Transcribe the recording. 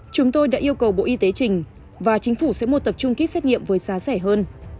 chúng tôi đã yêu cầu bộ y tế trình và chính phủ sẽ một tập trung kit xét nghiệm với giá rẻ hơn